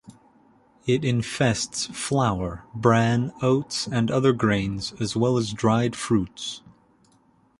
It infests flour, bran, oats, and other grains, as well as dried fruits.